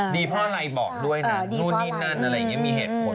ดีเพราะอะไรบอกด้วยนะนู่นนี่นั่นอะไรอย่างนี้มีเหตุผล